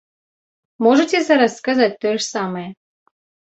Можаце зараз сказаць тое ж самае?